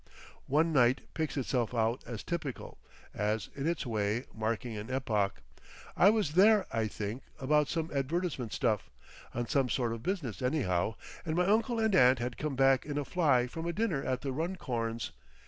One night picks itself out as typical, as, in its way, marking an epoch. I was there, I think, about some advertisement stuff, on some sort of business anyhow, and my uncle and aunt had come back in a fly from a dinner at the Runcorns.